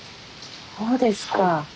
そうですか。